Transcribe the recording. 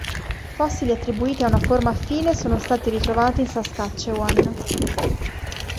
Fossili attribuiti a una forma affine sono stati ritrovati in Saskatchewan.